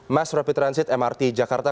mass rapid transit mrt jakarta